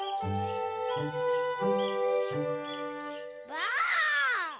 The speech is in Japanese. ばあっ！